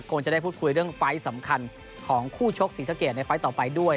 คงจะได้พูดคุยเรื่องไฟล์สำคัญของคู่ชกศรีสะเกดในไฟล์ต่อไปด้วย